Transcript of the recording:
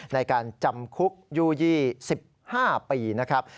ในการจำคุกอยู่๒๕ปีนะครับ